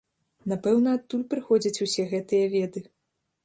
Напэўна, адтуль прыходзяць усе гэтыя веды.